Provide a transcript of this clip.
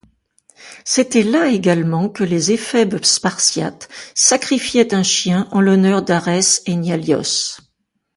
C'était là également que les éphèbes spartiates sacrifiaient un chien en l'honneur d'Arès Ényalios.